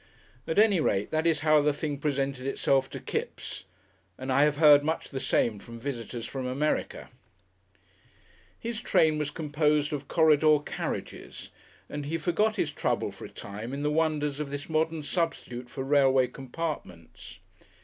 At any rate, that is how the thing presented itself to Kipps, and I have heard much the same from visitors from America. His train was composed of corridor carriages, and he forgot his trouble for a time in the wonders of this modern substitute for railway compartments.